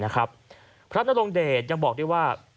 พระพระณรงเดชยังบอกว่า